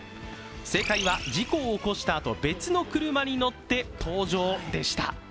正解は事故を起こしたあと、別の車に乗って登場でした。